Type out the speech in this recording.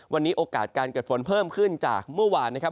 วันนี้โอกาสการเกิดฝนเพิ่มขึ้นจากเมื่อวานนะครับ